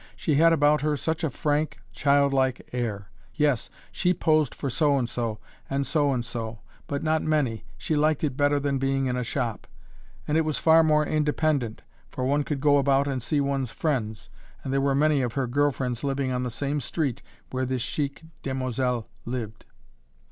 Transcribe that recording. She had about her such a frank, childlike air! Yes, she posed for so and so, and so and so, but not many; she liked it better than being in a shop; and it was far more independent, for one could go about and see one's friends and there were many of her girl friends living on the same street where this chic demoiselle lived.